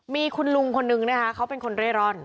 มีคุณลุงคนนึงนะคะเขาเป็นคนเร่ร่อน